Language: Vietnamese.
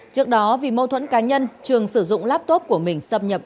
trước đó vì mâu thuẫn cá nhân trường sử dụng laptop của mình xâm nhập